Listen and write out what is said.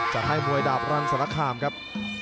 จะให้มวยดาบรันสละคามครับ